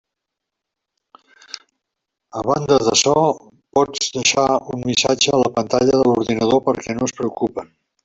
A banda d'açò, pots deixar un missatge a la pantalla de l'ordinador perquè no es preocupen.